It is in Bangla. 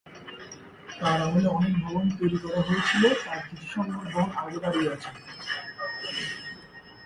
তার আমলে, অনেক ভবন তৈরী করা হয়েছিল, তার কিছু সংখ্যক ভবন আজও দাঁড়িয়ে আছে।